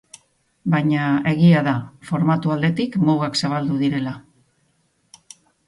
Baina, egia da, formatu aldetik mugak zabaldu direla.